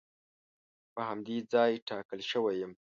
په همدې ځای ټاکل شوی یم.